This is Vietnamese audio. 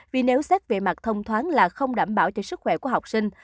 vì nếu xét về mặt thông thoáng là không đảm bảo cho sức khỏe của học sinh